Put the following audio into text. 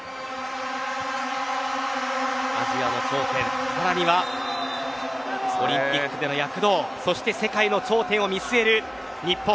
アジアの頂点さらにはオリンピックでの躍動そして世界の頂点を見据える日本。